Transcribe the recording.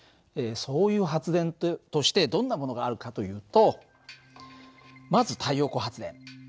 そういう発電としてどんなものがあるかというとまず太陽光発電。